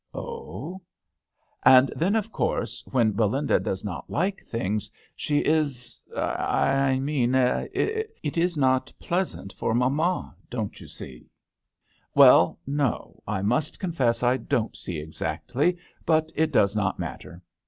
" Oh !"" And then — of course — when THE hAtEL D'aNGLETERRE. 33 Belinda does not like things, she is — I mean — it is not pleasant for mamma, don't you see ?"" Well, no, I must confess I don't see exactly ; but it does not matter.